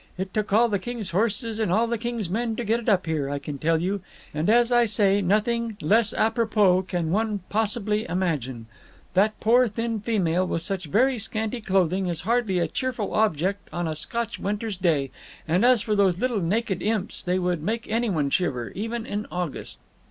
It took all the king's horses and all the king's men to get it up here, I can tell you. And, as I say, nothing less apropos can one possibly imagine. That poor thin female with such very scanty clothing is hardly a cheerful object on a Scotch winter's day, and as for those little naked imps they would make anyone shiver, even in August."